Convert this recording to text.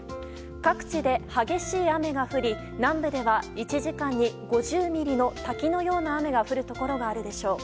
各地で激しい雨が降り南部では１時間に５０ミリの滝のような雨が降るところがあるでしょう。